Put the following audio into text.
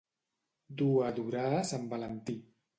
Dur a adorar sant Valentí.